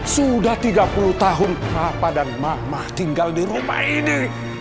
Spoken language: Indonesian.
sudah tiga puluh tahun papa dan mama tinggal di rumah ini